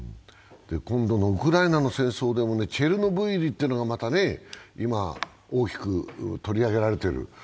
今度のウクライナの戦争でもチェルノブイリっていうのがまた今大きく取り上げられている。